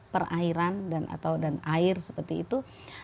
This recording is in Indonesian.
perairan dan air seperti itu